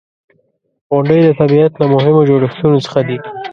• غونډۍ د طبیعت له مهمو جوړښتونو څخه دي.